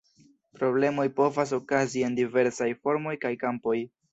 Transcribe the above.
Problemoj povas okazi en diversaj formoj kaj kampoj.